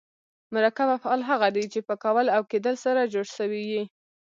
مرکب افعال هغه دي، چي په کول او کېدل سره جوړ سوي یي.